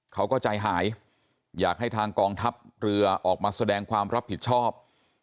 เขาก็ใจหายอยากให้ทางกองทัพเรือออกมาแสดงความรับผิดชอบ